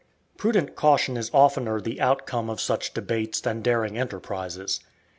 Prudent caution is oftener the outcome of such debates than daring enterprises.